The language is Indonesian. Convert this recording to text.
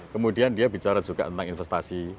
kemudian dia bicara juga tentang investasi